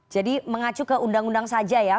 jadi mengacu ke undang undang saja ya